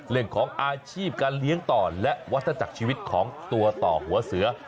เรื่องของอาชีพการเลี้ยงต่อและวัฒนาจักรชีวิตของตัวต่อหัวเสือ